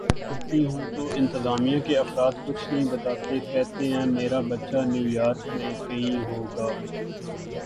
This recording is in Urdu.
فون کرتی ہوں تو انتظامیہ کے افراد کچھ نہیں بتاتے کہتے ہیں میرا بچہ نیویارک میں کہیں ہوگا